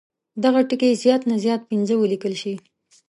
دغه ټکي زیات نه زیات پنځه ولیکل شي.